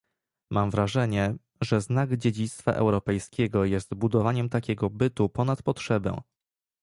Mam wrażenie, że znak dziedzictwa europejskiego jest budowaniem takiego bytu ponad potrzebę